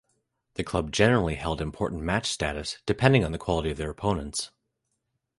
The club generally held important match status, depending on the quality of their opponents.